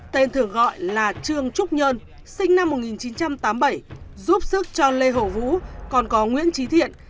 tên thường gọi là trương trúc nhơn sinh năm một nghìn chín trăm tám mươi bảy giúp sức cho lê hồ vũ còn có nguyễn trí thiện